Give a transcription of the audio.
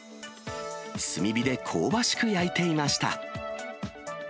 炭火で香ばしく焼いていました。